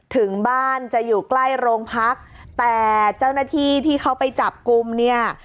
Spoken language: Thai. ถึงบ้านจะอยู่ใกล้โรงพักแต่เจ้าหน้าที่ที่เขาไปจับกลุ่มเนี่ย